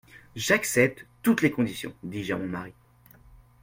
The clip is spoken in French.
J'accepte toutes les conditions, dis-je à mon mari.